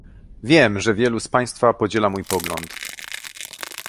Wiem, że wielu z państwa podziela mój pogląd